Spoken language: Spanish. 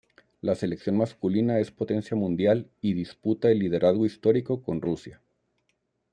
La selección masculina es potencia mundial, y disputa el liderazgo histórico con Rusia.